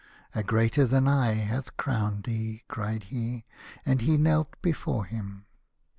" A greater than I hath crowned thee," he cried, and he knelt before him.